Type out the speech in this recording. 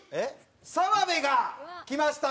澤部が来ましたんで。